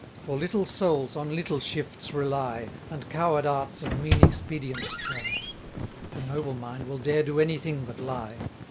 For little souls on little shifts rely, And coward arts of mean expedients try; The noble mind will dare do anything but lie.